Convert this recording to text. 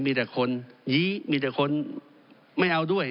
มีแต่คนยี้มีแต่คนไม่เอาด้วย